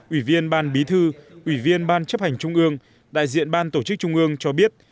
ủy viên ban bí thư ủy viên ban chấp hành trung ương đại diện ban tổ chức trung ương cho biết